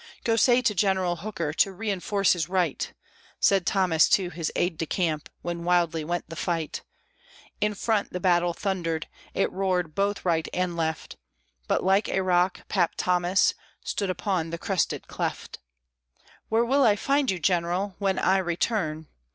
"Go say to General Hooker to reinforce his right!" Said Thomas to his aide de camp, when wildly went the fight; In front the battle thundered, it roared both right and left, But like a rock "Pap" Thomas stood upon the crested cleft. "_Where will I find you, General, when I return?